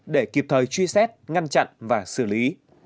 để kịp thời truy xét ngăn chặn và xử lý